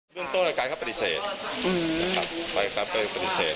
เรื่องต้นอะกายเขาปฏิเสธอืมนะครับไปครับไปปฏิเสธ